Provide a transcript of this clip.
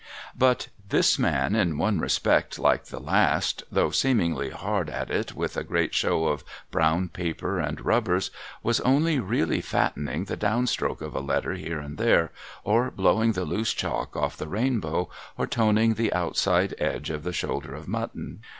But this man, in one respect like the last, though seemingly hard at it with a great show of brown paper and rubbers, was only really fattening the down stroke of a letter here and there, or blowing the loose chalk off the rainbow, or toning the outside edge of the shoulder of mutton.